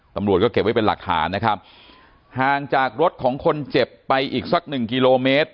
ตำรวจก็เก็บไว้เป็นหลักฐานนะครับห่างจากรถของคนเจ็บไปอีกสักหนึ่งกิโลเมตร